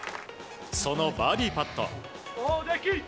そのバーディーパット。